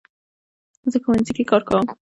زه ښوونځي کې کار کوم